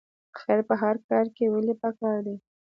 خیر په هر کار کې ولې پکار دی؟